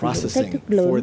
với những thách thức lớn